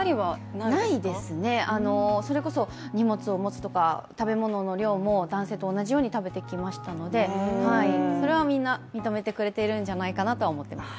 ないですね、それこそ荷物を持つとか食べ物の量も男性と同じように食べてきましたのでそれはみんな認めてくれているんじゃないかなとは思っています。